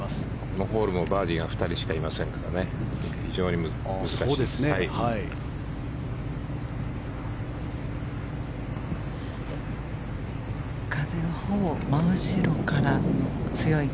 このホールもバーディーが２人しかいませんから非常に難しい。